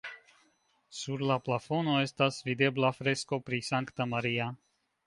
Sur la plafono estas videbla fresko pri Sankta Maria.